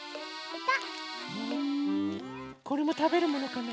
これもたべるものかな？